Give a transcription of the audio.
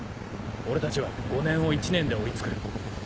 俺たちは５年を１年で追いつく。